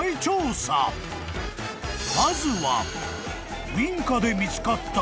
［まずは］